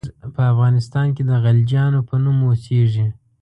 نن ورځ په افغانستان کې د غلجیانو په نوم اوسیږي.